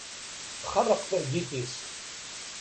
Txerreq targit yis-i.